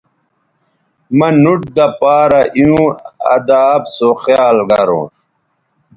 مہ نُوٹ دہ پارہ ایوں اداب سو خیال گرونݜ